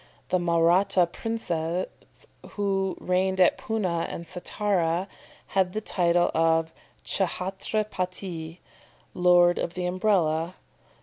The Mahratta princes, who reigned at Poonah and Sattara, had the title of Ch'hatra pati, "Lord of the Umbrella."